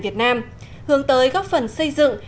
việt nam hướng tới góp phần xây dựng